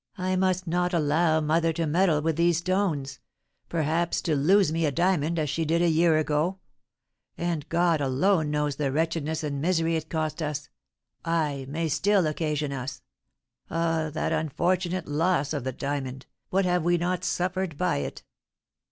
I must not allow mother to meddle with these stones, perhaps to lose me a diamond, as she did a year ago; and God alone knows the wretchedness and misery it cost us, ay, may still occasion us. Ah, that unfortunate loss of the diamond, what have we not suffered by it!"